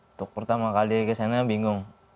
untuk pertama kali kesana bingung